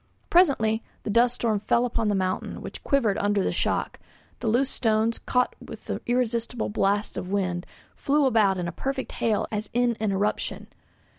Presently the dust storm fell upon the mountain, which quivered under the shock; the loose stones, caught with the irresistible blasts of wind, flew about in a perfect hail as in an eruption.